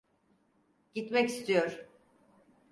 Gitmek istiyor.